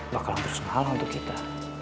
bakal harus kalah untuk kita